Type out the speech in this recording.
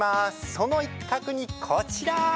その一角にこちら！